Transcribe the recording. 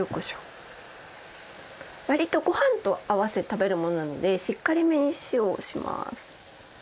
わりとご飯と合わせて食べるものなのでしっかりめに塩をします。